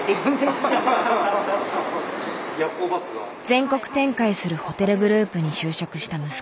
全国展開するホテルグループに就職した息子さん。